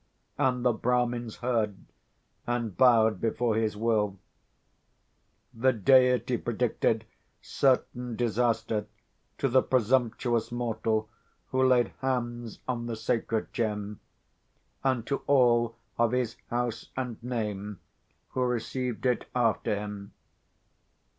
And the Brahmins heard, and bowed before his will. The deity predicted certain disaster to the presumptuous mortal who laid hands on the sacred gem, and to all of his house and name who received it after him.